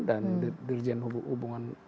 dan dirjen hubungan